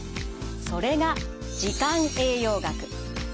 それが時間栄養学。